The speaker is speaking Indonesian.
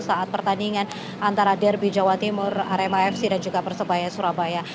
saat pertandingan antara derby jawa timur arema fc dan juga persebaya surabaya